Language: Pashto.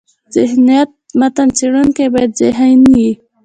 ذهانت: متن څړونکی باید ذهین يي.